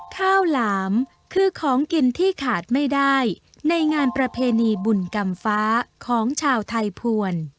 ข้าวหลามคือของกินที่ขาดไม่ได้ในงานประเพณีบุญกรรมฟ้าของชาวไทยภวร